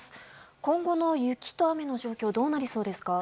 今後の雪と雨の状況どうなりそうですか？